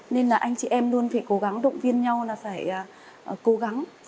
nên là anh chị em luôn phải cố gắng động viên nhau là phải cố gắng